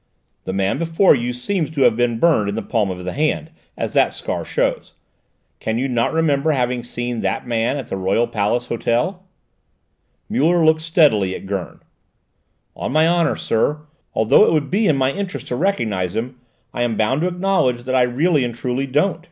"The man before you seems to have been burned in the palm of the hand, as that scar shows. Can you not remember having seen that man at the Royal Palace Hotel?" Muller looked steadily at Gurn. "On my honour, sir, although it would be to my interest to recognise him, I am bound to acknowledge that I really and truly don't."